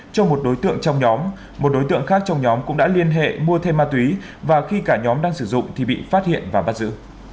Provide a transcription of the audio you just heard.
cho một đối tượng trong nhóm một đối tượng khác trong nhóm cũng đã liên hệ mua thêm ma túy và khi cả nhóm đang sử dụng thì bị phát hiện và bắt giữ